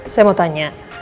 saya mau tanya